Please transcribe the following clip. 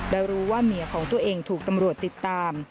และรู้ว่าเมียของตัวเองถูกตำรวจติดตาม